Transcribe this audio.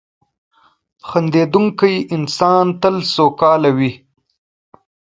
• خندېدونکی انسان تل سوکاله وي.